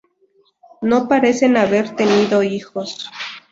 No parecen haber tenido hijos.